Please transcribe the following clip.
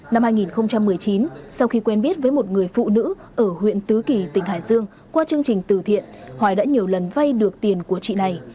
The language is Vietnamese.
năm hai nghìn một mươi chín sau khi quen biết với một người phụ nữ ở huyện tứ kỳ tỉnh hải dương qua chương trình từ thiện hoài đã nhiều lần vay được tiền của chị này